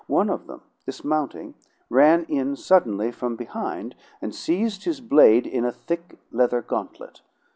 One of them, dismounting, ran in suddenly from behind, and seized his blade in a thick leather gauntlet.